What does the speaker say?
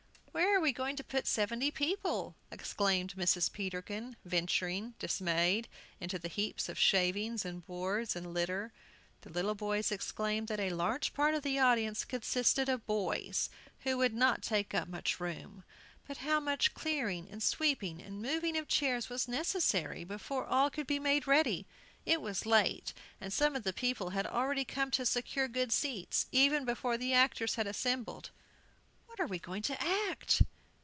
"Where are we going to put seventy people?" exclaimed Mrs. Peterkin, venturing, dismayed, into the heaps of shavings, and boards, and litter. The little boys exclaimed that a large part of the audience consisted of boys, who would not take up much room. But how much clearing and sweeping and moving of chairs was necessary before all could be made ready! It was late, and some of the people had already come to secure good seats, even before the actors had assembled. "What are we going to act?"